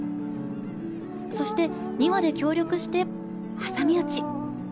そして２羽で協力して挟み撃ち。